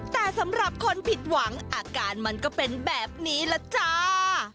แต่สำหรับคนผิดหวังอาการมันก็เป็นแบบนี้ล่ะจ้า